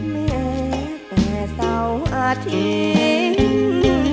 แม้แต่เศร้าอาทิตย์